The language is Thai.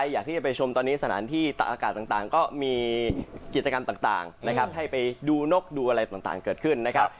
อยากที่จะไปชมตอนนี้สถานที่ตะอากาศต่างก็มีกิจกรรมต่างนะครับให้ไปดูนกดูอะไรต่างเกิดขึ้นนะครับ